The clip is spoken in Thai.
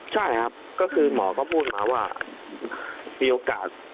ใช่ครับก็คือหมอก็พูดมาว่ามีโอกาส